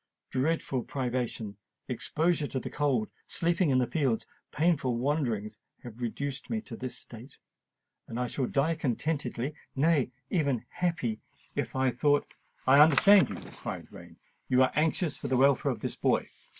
Dreadful privation—exposure to the cold—sleeping in the fields—and painful wanderings have reduced me to this state. But I shall die contented—nay, even happy, if I thought——" "I understand you," cried Rain. "You are anxious for the welfare of this boy?